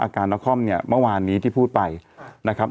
อาการนครเนี่ยเมื่อวานนี้ที่พูดไปนะครับ